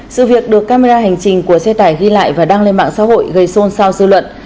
sự việc được camera hành trình của xe tải ghi lại và đăng lên mạng xã hội gây xôn xao dư luận